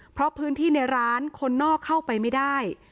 เพราะพื้นที่ในร้านคนนอกเข้าไปไม่ได้